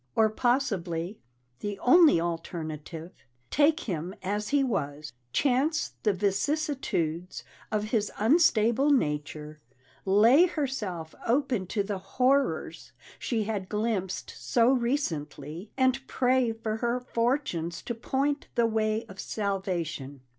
Or possibly the only alternative take him as he was, chance the vicissitudes of his unstable nature, lay herself open to the horrors she had glimpsed so recently, and pray for her fortunes to point the way of salvation.